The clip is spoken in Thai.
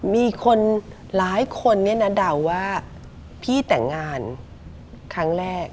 มีคนหลายคนเนี่ยนะเดาว่าพี่แต่งงานครั้งแรก